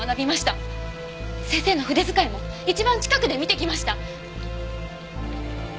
先生の筆遣いも一番近くで見てきました。